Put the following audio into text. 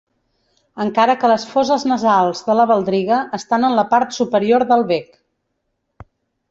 Encara que les foses nasals de la baldriga estan en la part superior del bec.